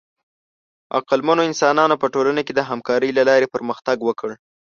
عقلمنو انسانانو په ټولنه کې د همکارۍ له لارې پرمختګ وکړ.